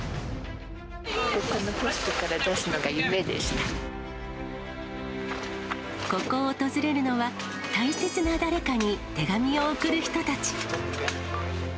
このポストから出すのが夢でここを訪れるのは、大切な誰かに手紙を送る人たち。